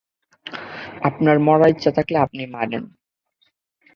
আপনার মারার ইচ্ছা থাকলে আপনি মারেন।